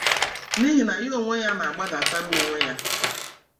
n'ihi na ya onwe ya na-agbadatara onwe ya